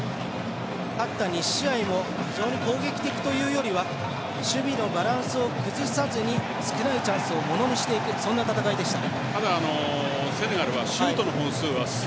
勝った２試合も非常に攻撃的というよりは守備のバランスを崩さずに少ないチャンスをものにしていくというそんな戦いでしたね。